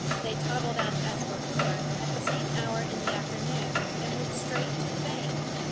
They toddled out as before, at the same hour in the afternoon, and went straight to the bank.